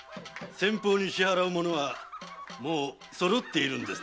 先方に支払うものはもう揃っているんですね？